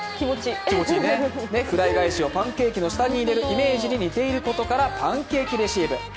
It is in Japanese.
フライ返しをパンケーキの下に入れるイメージに似ていることからパンケーキレシーブ。